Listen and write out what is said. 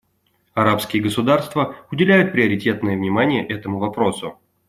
Арабские государства уделяют приоритетное внимание этому вопросу.